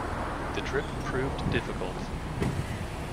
The trip proved difficult.